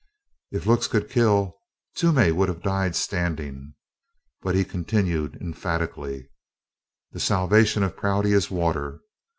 If looks could kill, Toomey would have died standing. But he continued emphatically: "The salvation of Prouty is water.